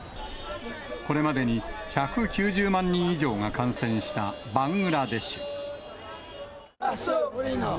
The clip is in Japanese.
これまでに１９０万人以上が感染したバングラデシュ。